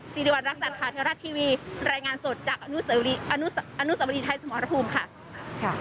สิริวัณรักษัตริย์ข่าวเทวรัฐทีวีรายงานสดจากอนุสวรีชัยสมรภูมิค่ะ